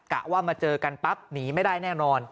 กะว่ามาเจอกันปั๊บหนีไม่ได้แน่นอน